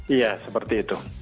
iya seperti itu